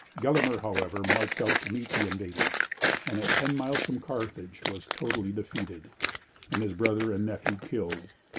Gelimer, however, marched out to meet the invaders, and at ten miles from Carthage was totally defeated, and his brother and nephew killed.